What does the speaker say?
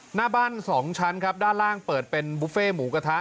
หน้าบ้านสองชั้นครับด้านล่างเปิดเป็นบุฟเฟ่หมูกระทะ